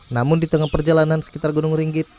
namun di tengah perjalanan sekitar gunung ringgit